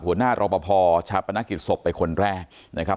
หัวหน้ารบพชาวประนักกิจศพไปคนแรกนะครับ